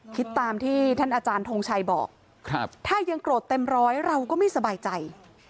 คิดตามที่ท่านอาจารย์ทงชัยบอกถ้ายังโกรธเต็มร้อยเราก็ไม่สบายใจ